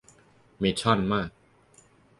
เมทัลมาก